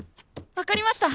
分かりました。